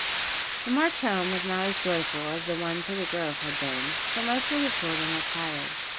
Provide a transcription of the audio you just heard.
The march home was not as joyful as the one to the grove had been, for most of the children were tired.